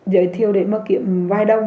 giới thiệu để kiếm vai đồng